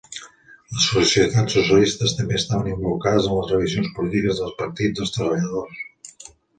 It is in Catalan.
Les societats socialistes també estaven involucrades en les revisions polítiques del partit dels treballadors.